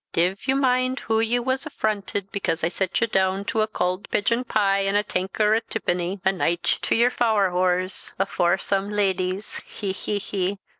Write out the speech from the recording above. Div ye mind hoo ye was affronted because I set ye doon to a cauld pigeon pie, an' a tanker o' tippenny, ae night to ye're fowerhoors, afore some leddies he, he, he!